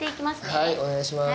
はいお願いします。